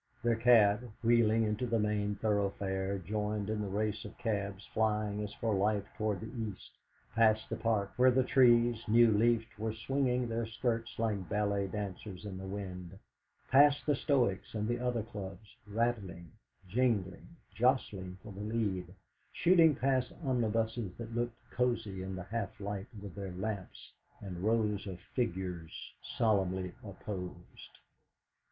Their cab, wheeling into the main thoroughfare, joined in the race of cabs flying as for life toward the East past the Park, where the trees, new leafed, were swinging their skirts like ballet dancers in the wind; past the Stoics' and the other clubs, rattling, jingling, jostling for the lead, shooting past omnibuses that looked cosy in the half light with their lamps and rows of figures solemnly opposed.